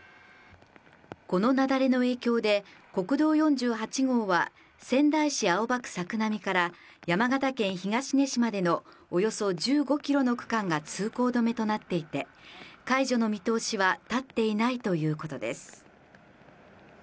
この雪崩の影響で、国道４８号は、仙台市青葉区作並から山形県東根市までのおよそ１５キロの区間が通行止めとなっていて、解除の見通しは立っていないということです。